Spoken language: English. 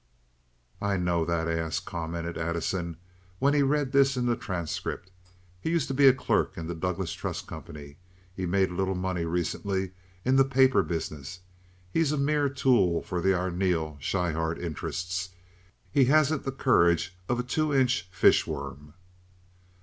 "I know that ass," commented Addison, when he read this in the Transcript. "He used to be a clerk in the Douglas Trust Company. He's made a little money recently in the paper business. He's a mere tool for the Arneel Schryhart interests. He hasn't the courage of a two inch fish worm."